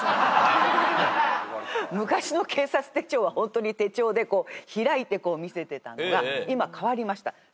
昔の警察手帳はホントに手帳でこう開いてこう見せてたのが今かわりました。